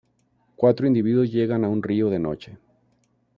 Cuatro individuos llegan a un río de noche.